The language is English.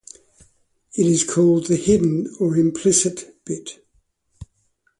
It is called the "hidden" or "implicit" bit.